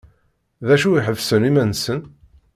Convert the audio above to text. D acu i ḥesben iman-nsen?